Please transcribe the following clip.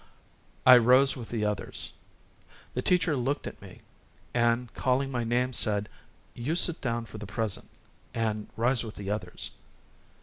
I rose with the others. The teacher looked at me and, calling my name, said: "You sit down for the present, and rise with the others."